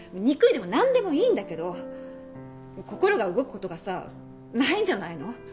憎いでも何でもいいんだけど心が動くことがさないんじゃないの？